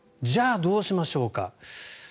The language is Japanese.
じゃあ、どうしましょうか。